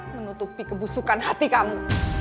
menutupi kebusukan hati kamu